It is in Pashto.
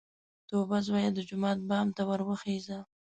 _توابه زويه! د جومات بام ته ور وخېژه!